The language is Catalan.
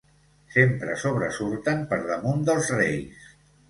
Sempre sobresurten per damunt dels reis.